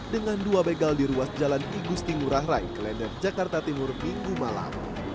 dengan dua begal di ruas jalan igusti murahrai ke lender jakarta timur minggu malam